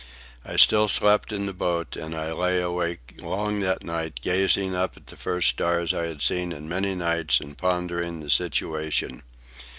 I still slept in the boat, and I lay awake long that night, gazing up at the first stars I had seen in many nights and pondering the situation.